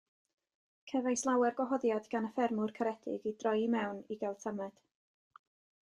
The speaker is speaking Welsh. Cefais lawer gwahoddiad gan y ffermwyr caredig i droi i mewn i gael tamaid.